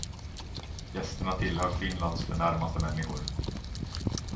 Gästerna tillhör Finlands förnämaste människor.